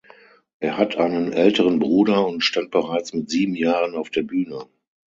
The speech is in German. Er hat einen älteren Bruder und stand bereits mit sieben Jahren auf der Bühne.